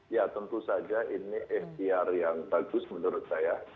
ya tentu saja ini ikhtiar yang bagus menurut saya